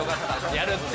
やるって。